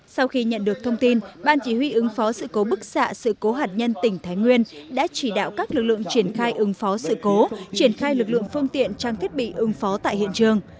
sau khi nhận được thông tin ban chỉ huy ứng phó sự cố bức xạ sự cố hạt nhân tỉnh thái nguyên đã chỉ đạo các lực lượng triển khai ứng phó sự cố triển khai lực lượng phương tiện trang thiết bị ứng phó tại hiện trường